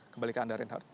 kebalikan anda reinhardt